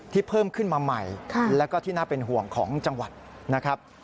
เพิ่มขึ้นมาใหม่แล้วก็ที่น่าเป็นห่วงของจังหวัดนะครับ